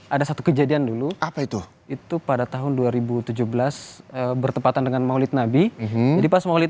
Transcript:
ada satu kejadian dulu apa itu itu pada tahun dua ribu tujuh belas bertepatan dengan maulid nabi jadi pas maulid